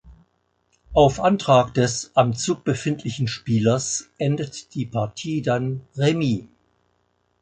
Auf Antrag des am Zug befindlichen Spielers endet die Partie dann Remis.